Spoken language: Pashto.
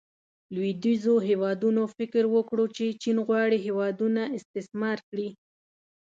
لویدیځو هیوادونو فکر وکړو چې چین غواړي هیوادونه استثمار کړي.